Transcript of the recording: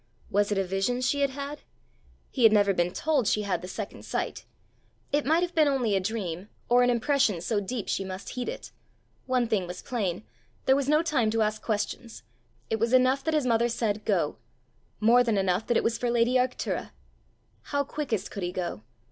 Was it a vision she had had? He had never been told she had the second sight! It might have been only a dream, or an impression so deep she must heed it! One thing was plain: there was no time to ask questions! It was enough that his mother said "Go;" more than enough that it was for lady Arctura! How quickest could he go?